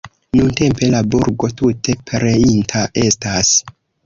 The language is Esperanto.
Nuntempe la burgo tute pereinta estas.